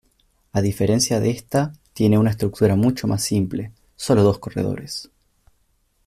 A diferencia de esta, tiene una estructura mucho más simple, solo dos corredores.